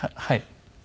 はい。